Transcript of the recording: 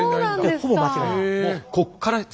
ほぼ間違いないですね。